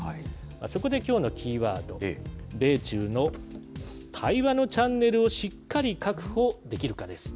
そこできょうのキーワード、米中の対話のチャンネルをしっかり確保できるかです。